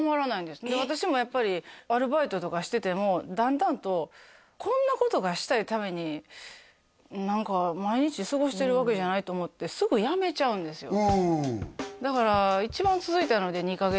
で私もやっぱりアルバイトとかしててもだんだんとこんなことがしたいために何か毎日過ごしてるわけじゃないと思ってだから一番短っ続かないんですよね